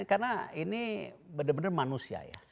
karena ini benar benar manusia ya